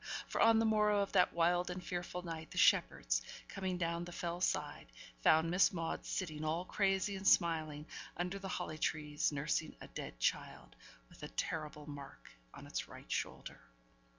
for, on the morrow of that wild and fearful night, the shepherds, coming down the Fell side, found Miss Maude sitting, all crazy and smiling, under the holly trees, nursing a dead child, with a terrible mark on its right shoulder.